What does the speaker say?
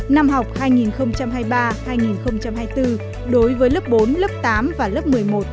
năm học hai nghìn hai mươi ba hai nghìn hai mươi bốn đối với lớp bốn lớp tám và lớp một mươi một